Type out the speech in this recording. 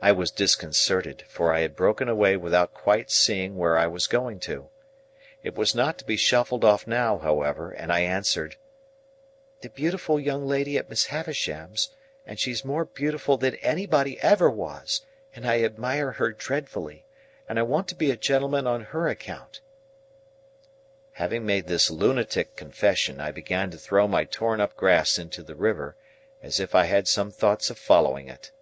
I was disconcerted, for I had broken away without quite seeing where I was going to. It was not to be shuffled off now, however, and I answered, "The beautiful young lady at Miss Havisham's, and she's more beautiful than anybody ever was, and I admire her dreadfully, and I want to be a gentleman on her account." Having made this lunatic confession, I began to throw my torn up grass into the river, as if I had some thoughts of following it.